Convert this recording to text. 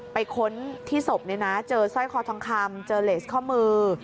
ค้นที่ศพเจอสร้อยคอทองคำเจอเลสข้อมือ